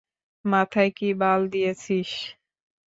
মাথায় কী বাল দিয়েছিস?